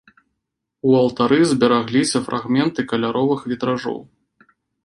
У алтары зберагліся фрагменты каляровых вітражоў.